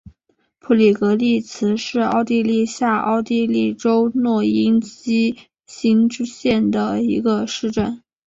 普里格利茨是奥地利下奥地利州诺因基兴县的一个市镇。